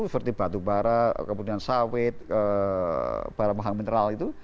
seperti batu bara kemudian sawit bahan bahan mineral itu